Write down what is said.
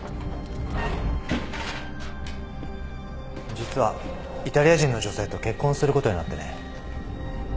実はイタリア人の女性と結婚することになってね。